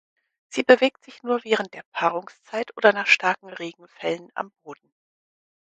Sie bewegt sich nur während der Paarungszeit oder nach starken Regenfällen am Boden.